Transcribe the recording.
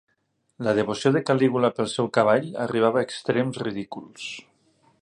La devoció de Calígula pel seu cavall arribava a extrems ridículs.